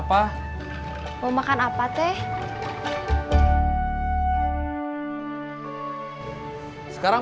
yang mana diper taxi dong